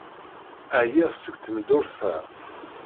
Ɛyiɣ seg tmeddurt-a.